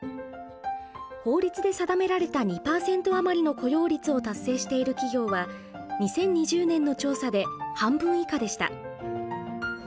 法律で定められた２％余りの雇用率を達成している企業は２０２０年の調査で半分以下でした。